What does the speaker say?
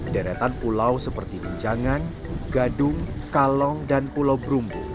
deretan pulau seperti pinjangan gadung kalong dan pulau brumbu